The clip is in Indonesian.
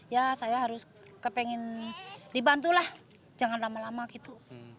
ya saya harus kepengen dibantulah jangan lama lama gitu